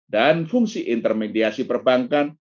dan fungsi intermediasi perbankan